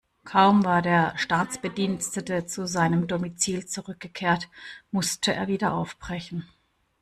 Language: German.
Kaum war der Staatsbedienstete zu seinem Domizil zurückgekehrt, musste er wieder aufbrechen.